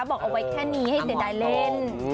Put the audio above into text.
บอกเอาไว้แค่นี้ให้เสียดายเล่น